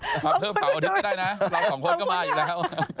ขอบคุณคุณชุวิตขอบคุณคุณชุวิตขอบคุณคุณชุวิตเราสองคนก็มาอยู่แล้ว